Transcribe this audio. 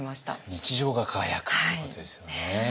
日常が輝くということですよね。